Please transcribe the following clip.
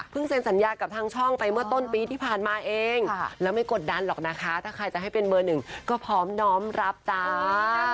เซ็นสัญญากับทางช่องไปเมื่อต้นปีที่ผ่านมาเองแล้วไม่กดดันหรอกนะคะถ้าใครจะให้เป็นเบอร์หนึ่งก็พร้อมน้อมรับจ้า